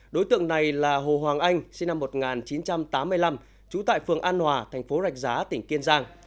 đối tượng này là hồ hoàng anh sinh năm một nghìn chín trăm tám mươi năm trú tại phường an hòa thành phố rạch giá tỉnh kiên giang